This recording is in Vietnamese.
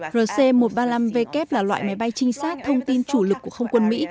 erc một trăm ba mươi năm v kép là loại máy bay trinh sát thông tin chủ lực của không quân mỹ